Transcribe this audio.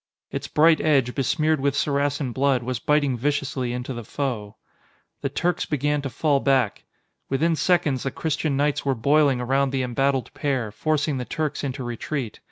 Its bright edge, besmeared with Saracen blood, was biting viciously into the foe. The Turks began to fall back. Within seconds, the Christian knights were boiling around the embattled pair, forcing the Turks into retreat.